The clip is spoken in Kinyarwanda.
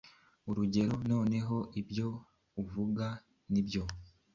Urugero "Noneho ibyo uvuga nibyo,